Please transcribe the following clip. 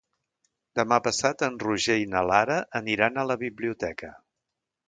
Demà passat en Roger i na Lara aniran a la biblioteca.